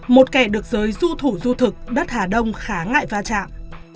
một kẻ được giới du thủ du thực đất hà đông khá ngại va chạm